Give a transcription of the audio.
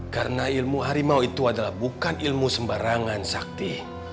karena ilmu harimau itu adalah bukan ilmu sembarangan sakti